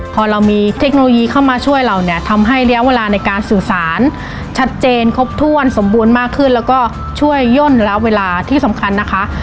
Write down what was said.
พอเรามีเทคโนโลยีเข้ามาช่วยเราเนี่ยทำให้ระยะเวลาในการสื่อสารชัดเจนครบถ้วนสมบูรณ์มากขึ้นแล้วก็ช่วยย่นระยะเวลาที่สำคัญนะคะ